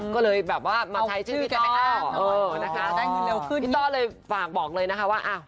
ก็เลยแบบว่ามาใช้ชื่อพี่ต้อเออนะคะพี่ต้อเลยฝากบอกเลยนะคะว่าอ้าว